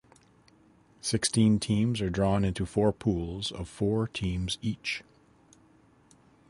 Sixteen teams are drawn into four pools of four teams each.